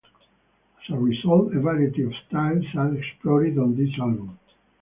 As a result, a variety of styles are explored on this album.